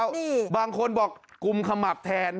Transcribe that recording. นี่บางคนบอกกุมขมับแทน